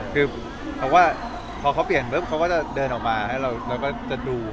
คือพอเขาเปลี่ยนก็จะเดินออกมาให้เราดู